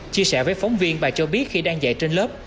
chia sẻ với phóng viên bà cho biết khi đang dạy trên lớp